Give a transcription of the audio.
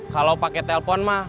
kalau pakai telpon mah